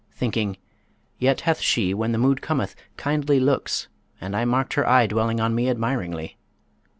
Thinking, 'Yet hath she, when the mood cometh, kindly looks; and I marked her eye dwelling on me admiringly!'